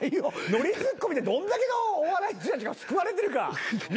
ノリツッコミでどんだけのお笑いの人たちが救われてるか見てろよ。